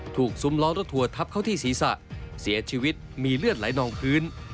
ซุ้มล้อรถทัวร์ทับเข้าที่ศีรษะเสียชีวิตมีเลือดไหลนองพื้น